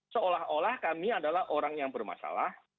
seolah olah kami adalah orang yang bermasalah